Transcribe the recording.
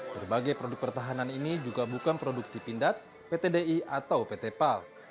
berbagai produk pertahanan ini juga bukan produksi pindad pt di atau pt pal